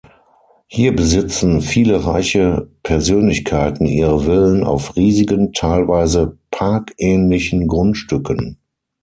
Hier besitzen viele reiche Persönlichkeiten ihre Villen auf riesigen, teilweise parkähnlichen Grundstücken.